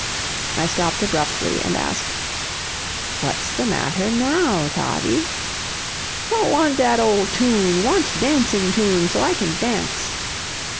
I stopped abruptly and asked: "What's the matter NOW, Toddie?" "Don't want dat old tune; wantsh dancin' tune, so I can dance."